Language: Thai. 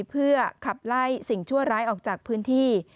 เพื่อขับไล่สิ่งชั่วร้ายออกจากพื้นที่